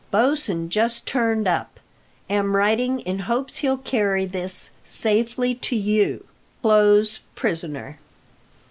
Bosin just turned up. Am writing in hopes he'll carry this safely to you. Close prisoner.